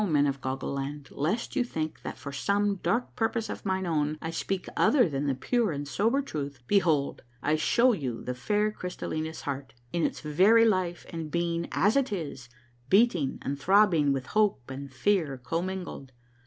Men of Goggle Land, lest you think that for some dark purpose of mine own I speak other than the pure and sober truth, behold, I show you the fair Crystallina's heart, in its very life and being as it is, beating and throbbing with hope and fear comingled.